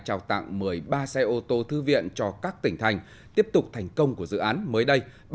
trao tặng một mươi ba xe ô tô thư viện cho các tỉnh thành tiếp tục thành công của dự án mới đây